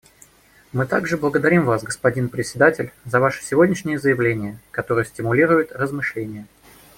Мы также благодарим вас, господин Председатель, за ваше сегодняшнее заявление, которое стимулирует размышления.